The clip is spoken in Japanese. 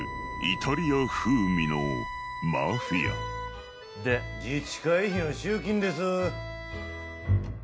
イタリア風味のマフィア自治会費の集金です。